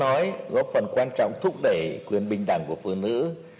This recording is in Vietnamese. nói góp phần quan trọng thúc đẩy quyền bình đẳng của phụ nữ